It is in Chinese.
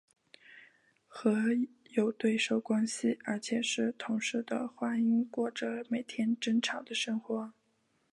和有对手关系而且是同室的花音过着每天争吵的生活。